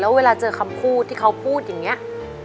แล้วเวลาเจอคำพูดที่เขาพูดอย่างนี้